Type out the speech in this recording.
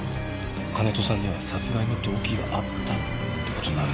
金戸さんには殺害の動機があったって事になるね。